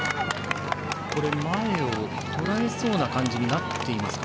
前をとらえそうな感じになっていますか。